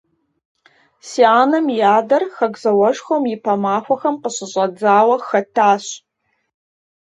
Си анэм и адэр Хэку зауэшхуэм ипэ махуэхэм къыщыщӏэдзауэ хэтащ.